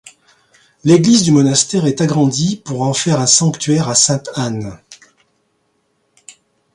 L'église du monastère est agrandie pour en faire un sanctuaire à Sainte-Anne.